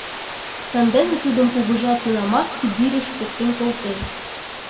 Сандене тудым кугыжа тунамак Сибирьыш поктен колтен.